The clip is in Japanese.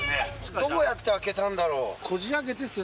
どうやって開けたんだろう？